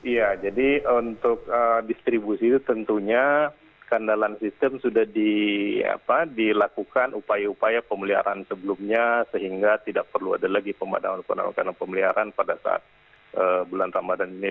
ya jadi untuk distribusi itu tentunya skandalan sistem sudah dilakukan upaya upaya pemeliharaan sebelumnya sehingga tidak perlu ada lagi pemadaman pemadaman pemeliharaan pada saat bulan ramadhan ini